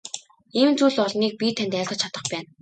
Ийм зүйл олныг би танд айлтгаж чадах байна.